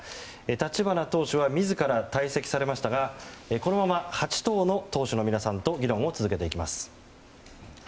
立花党首は自ら退席されましたがこのまま８党の党首の皆さんと議論を続けていきます。